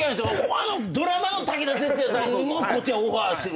あのドラマの武田鉄矢さんをこっちはオファーしてる。